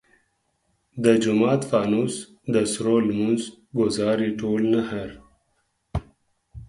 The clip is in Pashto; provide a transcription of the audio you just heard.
د جومات فانوس د سرو لمونځ ګزار ئې ټول نهر !